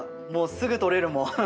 もうすぐ取れるもん。